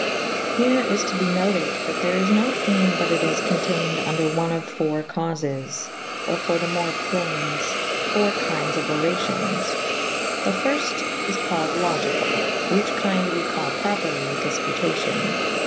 Here is to be noted that there is no theme but it is conteined vnder one of .iiii.^ caufis/or for the more playnes = .iiii.^ kyndes of oracions. The fyrfte is callyd Logycall, whiche kynde we call properly difputacio«.